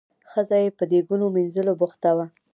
ښځه یې په دیګونو مینځلو بوخته وه.